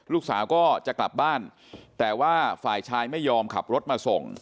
ลูกสาวก็จะกลับบ้านแต่ว่าฝ่ายชายไม่ยอมขับรถมาส่ง